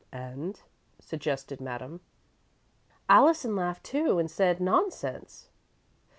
"And " suggested Madame. "Allison laughed, too, and said: 'Nonsense!'"